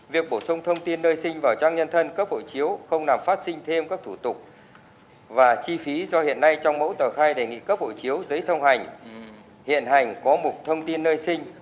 việc bổ sung thông tin nơi sinh vào trang nhân thân cấp hộ chiếu không làm phát sinh thêm các thủ tục và chi phí do hiện nay trong mẫu tờ khai đề nghị cấp hộ chiếu giấy thông hành hiện hành có mục thông tin nơi sinh